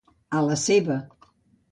A la seva.